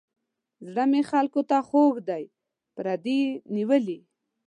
زړه مې خلکو ته خوږ دی پردي یې نیولي.